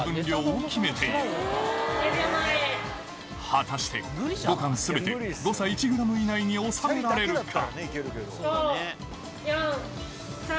果たして５貫全て誤差１ｇ以内に収められるか？